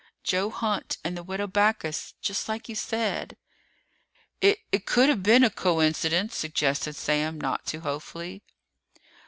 Joe Hunt and the Widow Backus. Just like you said!" "It it could've been a coincidence," suggested Sam, not too hopefully.